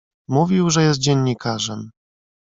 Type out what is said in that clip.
"Mówił, że jest dziennikarzem."